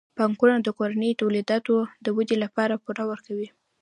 بانکونه د کورنیو تولیداتو د ودې لپاره پور ورکوي.